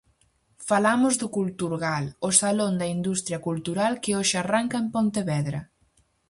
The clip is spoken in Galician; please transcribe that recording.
Falamos do Culturgal, o salón da industria cultural que hoxe arranca en Pontevedra.